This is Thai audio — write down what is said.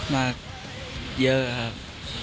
มาเยอะครับ